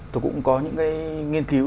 tôi cũng có những cái nghiên cứu